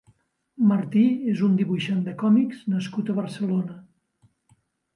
Martí és un dibuixant de còmics nascut a Barcelona.